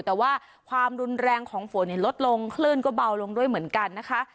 แต่ว่าความรุนแรงของฝนลดลงคลื่นก็เบาลงด้วยเหมือนกันนะคะ